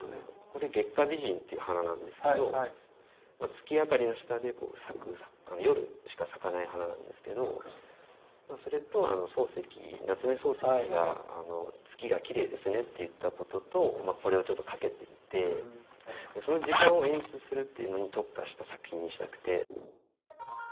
これ月下美人っていう花なんですけど月明かりの下で夜しか咲かない花なんですけどそれと夏目漱石が「月がきれいですね」って言ったこととこれをちょっと掛けていてその時間を演出するっていうのに特化した作品にしたくて。